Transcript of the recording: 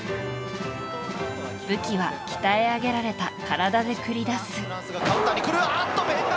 武器は鍛え上げられた体で繰り出す。